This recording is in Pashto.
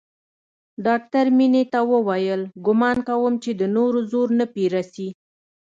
ډاکتر مينې ته وويل ګومان کوم چې د نورو زور نه پې رسي.